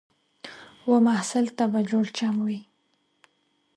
و محصل ته به جوړ چم وي